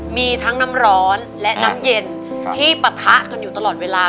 มีทั้งน้ำร้อนและน้ำเย็นที่ปะทะกันอยู่ตลอดเวลา